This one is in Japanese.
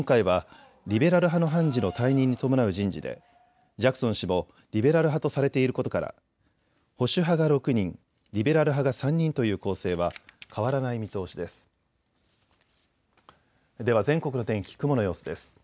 今回はリベラル派の判事の退任に伴う人事でジャクソン氏もリベラル派とされていることから保守派が６人、リベラル派が３人という構成は変わらない見通しです。